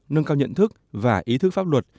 nâng cao nhận thức và ý thức pháp luật